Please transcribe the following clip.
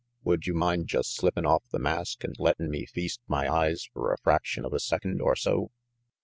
Would you mind just slippin' off the mask and lettin' me feast my eyes fer a fraction of a second or so?"